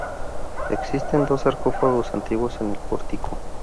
Existen dos sarcófagos antiguos en el pórtico.